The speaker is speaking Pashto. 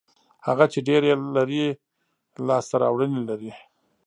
هغه چې ډېر یې لري لاسته راوړنې لري.